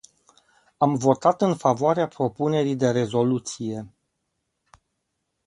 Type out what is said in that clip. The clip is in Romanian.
Am votat în favoarea propunerii de rezoluție.